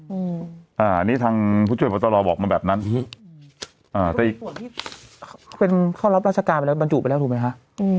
อืมอ่านี่ทางผู้ช่วยบัตรรอบอกมาแบบนั้นอืมอ่าแต่อีกเป็นข้อรับราชการไปแล้วก็ปัจจุไปแล้วถูกไหมคะอืม